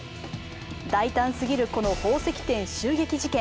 大胆すぎるこの宝石店襲撃事件。